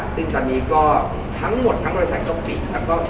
ซึ่งตอนนี้ก็ทั้งหมดทั้งบริษัทก็ปิดครับ